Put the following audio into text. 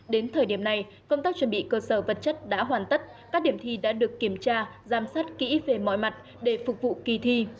đến thời điểm này công tác chuẩn bị cơ sở vật chất đã hoàn tất các điểm thi đã được kiểm tra giám sát kỹ về mọi mặt để phục vụ kỳ thi